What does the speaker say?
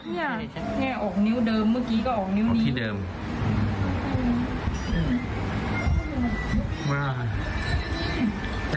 นี่ออกนิ้วเดิมเมื่อกี้ก็ออกนิ้วนี้